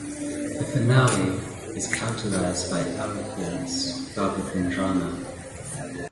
The "Finale" is characterised by eloquence rather than drama.